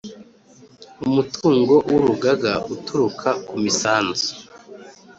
Umutungo w urugaga uturuka ku misanzu